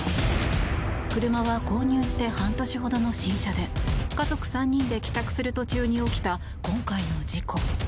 車は購入して半年ほどの新車で家族３人で帰宅する途中に起きた今回の事故。